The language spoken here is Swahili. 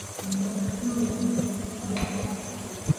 Vijana hao wanaenda kupiga mbizi kule